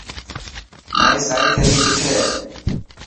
مائي سائي ٿيلي ڪٿي هي؟